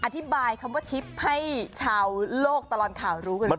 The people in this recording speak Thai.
อธิบายคำว่าทิปให้ชาวโลกตลอดข่าวรู้หรือเปล่า